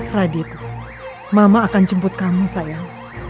radit mama akan jemput kamu sayang